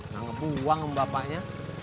nanggep uang em bapaknya